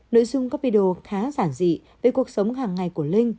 nội dung có video khá giản dị về cuộc sống hàng ngày của linh